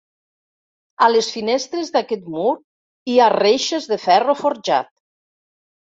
A les finestres d'aquest mur hi ha reixes de ferro forjat.